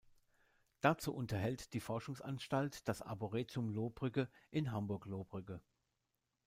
Dazu unterhält die Forschungsanstalt das Arboretum Lohbrügge in Hamburg-Lohbrügge.